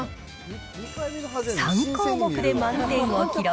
３項目で満点を記録。